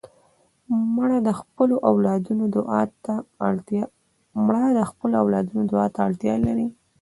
مړه د خپلو اولادونو دعا ته اړتیا لري